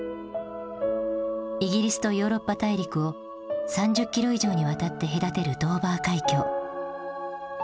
イギリスとヨーロッパ大陸を３０ｋｍ以上にわたって隔てるドーバー海峡。